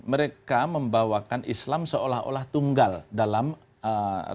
mereka membawakan islam seolah olah tunggal dalam eee